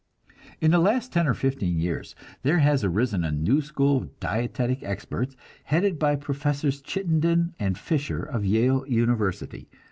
In the last ten or fifteen years there has arisen a new school of dietetic experts, headed by Professors Chittenden and Fisher of Yale University.